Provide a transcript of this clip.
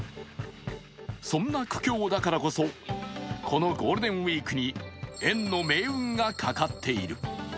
そんな苦境だからこそこのゴールデンウイークに園の命運がかかっている。